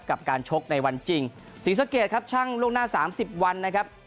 กับการชกในวันจริงศรีสะเกดครับช่างล่วงหน้าสามสิบวันนะครับ